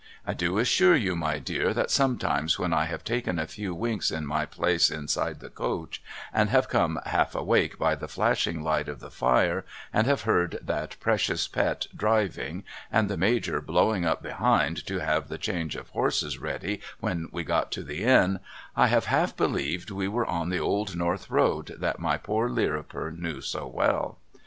I do assure you my dear that sometimes when I have taken a few winks in my place inside the coach and have come half awake by the flashing light of the fire and have heard that precious pet driving and the Major blowing up behind to have the change of horses ready when we got to the Inn, I have half believed we were on the old North Road that my poor Lirriper knew so well.